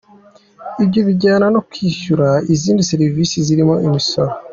Ibyo bijyana no kwishyura izindi serivisi zirimo imisoro.